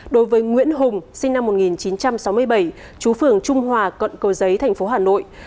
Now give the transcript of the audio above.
đối với nguyễn hùng sinh năm một nghìn chín trăm sáu mươi bảy chú phường trung hòa quận cầu giấy thành phố hà nội